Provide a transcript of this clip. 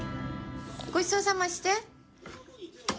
ごちそうさまして。